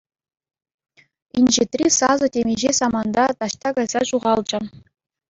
Инҫетри сасӑ темиҫе саманта таҫта кайса ҫухалчӗ.